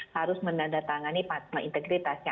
harus mendandatangani integritasnya